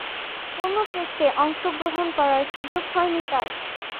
কোন টেস্টে অংশগ্রহণ করার সুযোগ হয়নি তার।